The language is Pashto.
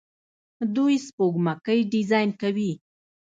دوی سپوږمکۍ ډیزاین کوي.